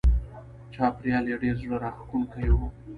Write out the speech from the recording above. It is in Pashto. چاپېریال یې ډېر زړه راښکونکی و.